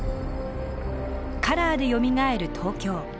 「カラーでよみがえる東京」。